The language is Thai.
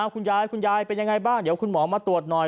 คุณยายคุณยายเป็นยังไงบ้างเดี๋ยวคุณหมอมาตรวจหน่อย